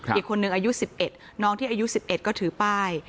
อีกคนหนึ่งอายุสิบเอ็ดน้องที่อายุสิบเอ็ดก็ถือป้าย